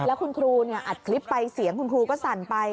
ก็คุณครูเนี่ยอัดคลิปไปเสียงคุณครูก็สั่นไป